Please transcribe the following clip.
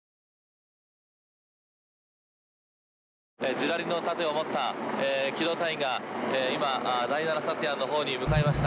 ジュラルミンの盾を持った機動隊員が今第７サティアンのほうに向かいました。